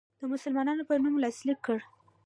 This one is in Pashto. د مسلمان په نوم لاسلیک کړ.